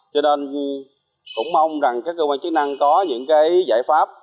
cho nên cũng mong rằng các cơ quan chức năng có những cái giải pháp